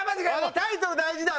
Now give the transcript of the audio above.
タイトル大事だよ